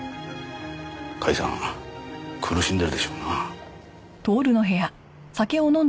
甲斐さん苦しんでるでしょうな。